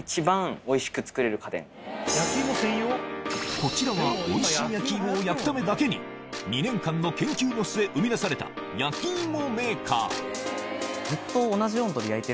こちらはおいしい焼き芋を焼くためだけに２年間の研究の末生み出された絶対いいわ。